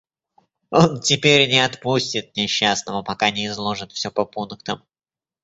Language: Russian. Он теперь не отпустит несчастного, пока не изложит всё по пунктам.